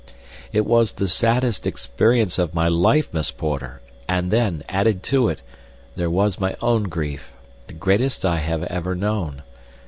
"It was the saddest experience of my life, Miss Porter; and then, added to it, there was my own grief—the greatest I have ever known.